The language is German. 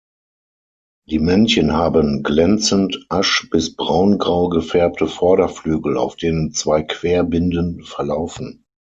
Die Männchen haben glänzend asch- bis braungrau gefärbte Vorderflügel, auf denen zwei Querbinden verlaufen.